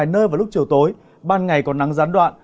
tại nơi vào lúc chiều tối ban ngày còn nắng gián đoạn